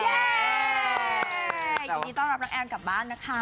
ยินดีต้อนรับน้องแอนกลับบ้านนะคะ